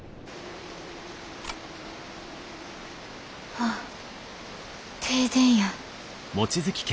あ停電や。